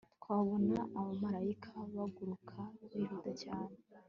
Twabona abamarayika baguruka bihuta cyane